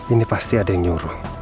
ini pasti ada yang nyuruh